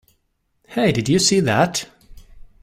Hey! Did you see that?